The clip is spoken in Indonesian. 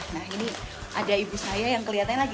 nah ini ada ibu saya yang kelihatan lagi